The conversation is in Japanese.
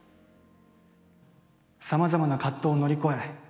さまざまな葛藤を乗り越え